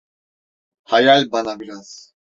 Hayal bana biraz…